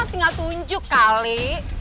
tinggal tunjuk kali